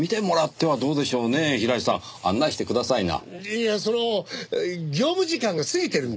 いやその業務時間が過ぎてるんで。